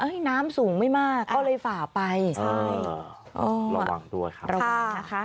เอ้ยน้ำสูงไม่มากก็เลยฝ่าไปเอออ๋อระวังด้วยครับระวังค่ะ